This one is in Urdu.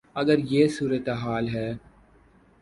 اگر یہ صورتحال ہے۔